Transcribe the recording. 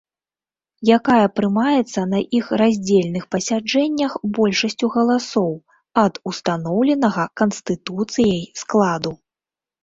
Якая прымаецца на іх раздзельных пасяджэннях большасцю галасоў ад устаноўленага Канстытуцыяй складу.